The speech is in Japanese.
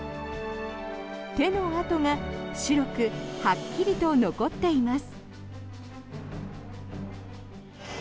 手の跡が白くはっきりと残っています。